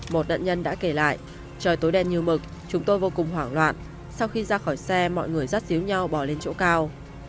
một nạn nhân đã kể lại trời tối đen như mực chúng tôi vô cùng hoảng loạn sau khi ra khỏi xe mọi người rắt xíu nhau bỏ lên chỗ cao